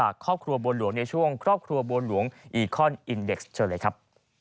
ครอบครัวบัวหลวงในช่วงครอบครัวบัวหลวงอีคอนอินเด็กซ์เชิญเลยครับ